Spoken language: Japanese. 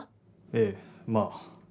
ええまあ。